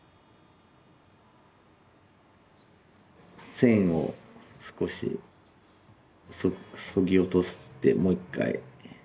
線を少しそぎ落としてもう一回。